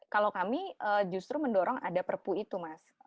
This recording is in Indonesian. kalau kami justru mendorong ada perpu itu mas